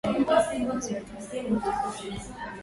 Wazazi wetu ni viongozi halali